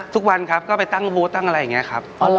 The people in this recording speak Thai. ทุกวันครับก็ไปตั้งบูธตั้งอะไรอย่างนี้ครับ